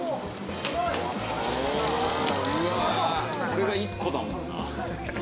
これが１個だもんな。